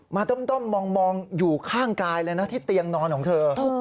ด้อมมองอยู่ข้างกายเลยนะที่เตียงนอนของเธอ